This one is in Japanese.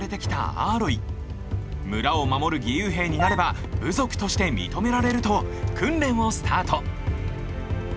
村を守る義勇兵になれば部族として認められる！と訓練をスタート！